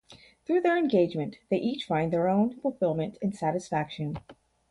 Through their engagement, they each find their own fulfillment and satisfaction.